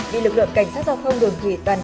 bị lực lượng cảnh sát giao thông đường thủy toàn